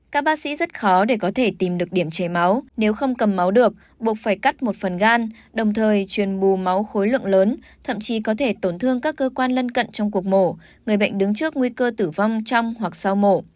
các bác sĩ rất khó để có thể tìm được điểm chảy máu nếu không cầm máu được buộc phải cắt một phần gan đồng thời truyền bù máu khối lượng lớn thậm chí có thể tổn thương các cơ quan lân cận trong cuộc mổ người bệnh đứng trước nguy cơ tử vong trong hoặc sau mổ